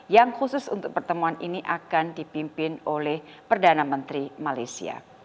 yang khusus untuk pertemuan ini akan dipimpin oleh perdana menteri malaysia